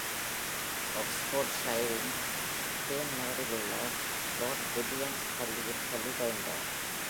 ஆக்ஸ்போர்டுஷையரின் Thame நகரில் உள்ள Lord Williams பள்ளியில் கல்வி பயின்றார்.